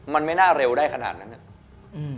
มันไม่น่าเร็วได้ขนาดนั้นอะ